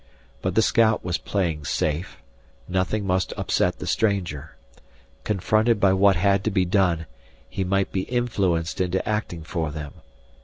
But the scout was playing safe nothing must upset the stranger. Confronted by what had to be done, he might be influenced into acting for them.